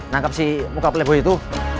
nangkap si muka plebo itu